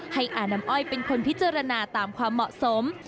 อาน้ำอ้อยเป็นคนพิจารณาตามความเหมาะสม